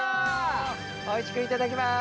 おいしくいただきます。